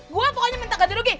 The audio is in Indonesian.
gue pokoknya minta ganti rugi